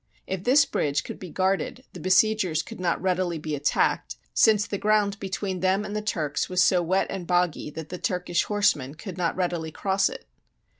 If this bridge could be guarded, the besiegers could not readily be at tacked, since the ground between them and the Turks was so wet and boggy that the Turkish horsemen could not readily cross it.